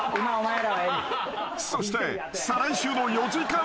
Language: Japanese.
［そして再来週の４時間